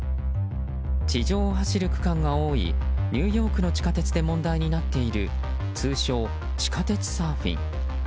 地上を走る区間が多いニューヨークの地下鉄で問題になっている通称、地下鉄サーフィン。